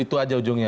itu saja ujungnya